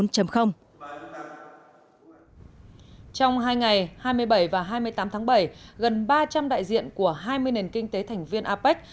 trong hai ngày hai mươi bảy và hai mươi tám tháng bảy gần ba trăm linh đại diện của hai mươi nền kinh tế thành viên apec